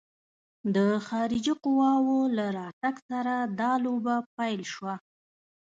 د خارجي قواوو له راتګ سره دا لوبه پیل شوه.